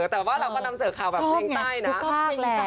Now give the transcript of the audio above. แต่ว่าเราก็ทำเสิร์ฟคาแบบซิริงไทยนะ